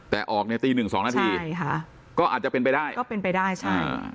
แต่ออกเนี่ยตีหนึ่งสองนาทีใช่ค่ะก็อาจจะเป็นไปได้ก็เป็นไปได้ใช่